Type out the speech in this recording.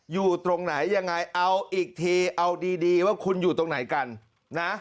อยู่ตรงไหนยังไงเอาอีกทีเอาดีดีว่าคุณอยู่ตรงไหนกันนะ